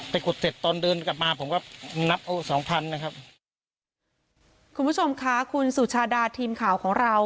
ขุดเสร็จตอนเดินกลับมาผมก็นับเอาสองพันนะครับคุณผู้ชมค่ะคุณสุชาดาทีมข่าวของเรา